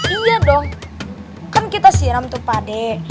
kalian dong kan kita siram tuh pade